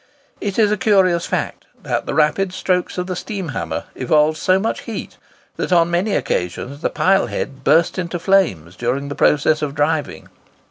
It is a curious fact, that the rapid strokes of the steam hammer evolved so much heat, that on many occasions the pile head burst into flames during the process of driving.